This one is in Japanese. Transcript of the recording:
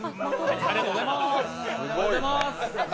ありがとうございます。